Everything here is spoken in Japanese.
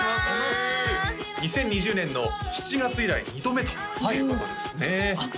２０２０年の７月以来２度目ということですねあっ